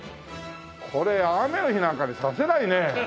これ雨の日なんかに差せないね。